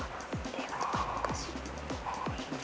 映画とか昔。